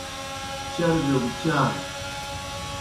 چربِیو گہ چار۔